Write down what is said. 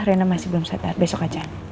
rena masih belum sadar besok aja